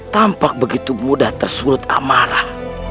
tampak begitu mudah tersulut amarah